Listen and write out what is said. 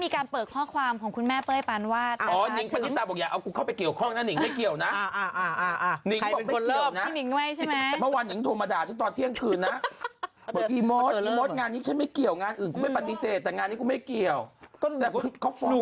ข้อความของคุณเป๊ย์ปานวาดเอาเป๊ย์ไปถึงไหนละคะหนู